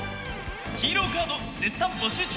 ヒーローカード絶賛募集中！